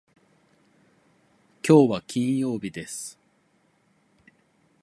きょうは金曜日です。